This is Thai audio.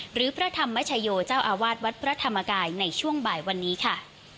หรือพระธรรมชโยเจ้าอาวาสวัดพระธรรมกายในช่วงบ่ายวันนี้ค่ะ